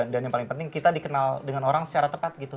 dan yang paling penting kita dikenal dengan orang secara tepat gitu